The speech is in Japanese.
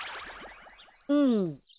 うん。